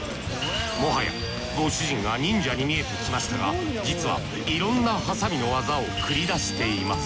もはやご主人が忍者に見えてきましたが実はいろんなハサミの技を繰り出しています。